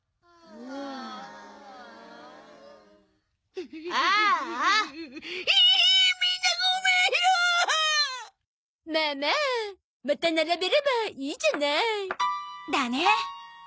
まあまあまた並べればいいじゃない。だね。